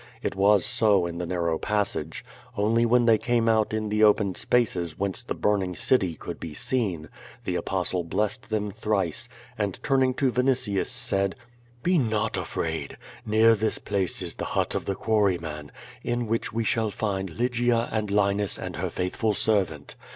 It was so in the narrow passage. Only when they came out in the open spaces whence the burning city could be seen, the Apostle blessed them thrice, and turn ing to Vinitius said: "Be not afraid. Near this place is the hut of the quarryman, in which we shall find Lygia and Linus and her faithful servant.